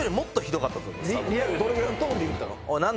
リアルにどれぐらいのトーンで言ったの？